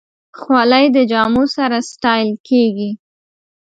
خولۍ د جامو سره ستایل کېږي.